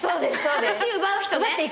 話奪う人ね。